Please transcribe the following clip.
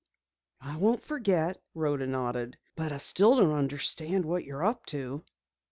"I won't forget," Rhoda nodded. "But I still don't understand what you're up to."